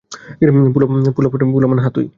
পোলাপান, হ্যাঁ, তুই।